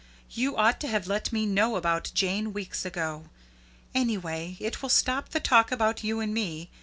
You ought to have let me know about Jane, weeks ago. Anyway, it will stop the talk about you and me.